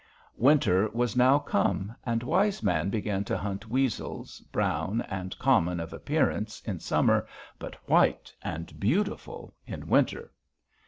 "Winter was now come, and Wise Man began to hunt weasels, brown and common of appearance in summer, but white and beautiful in winter.